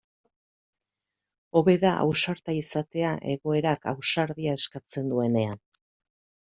Hobe da ausarta izatea egoerak ausardia eskatzen duenean.